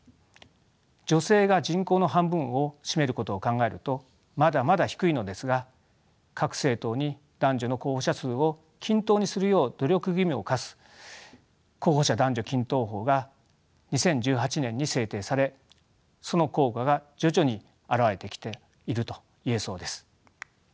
女性が人口の半分を占めることを考えるとまだまだ低いのですが各政党に男女の候補者数を均等にするよう努力義務を課す候補者男女均等法が２０１８年に制定されその効果が徐々に表れてきていると言えそうです。